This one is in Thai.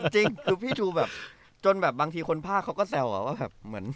จริงคือพี่ทูแบบจนแบบบางทีคนพ่าเขาก็แซวอ่ะว่าแบบ